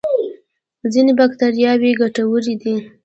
ځینې بکتریاوې ګټورې دي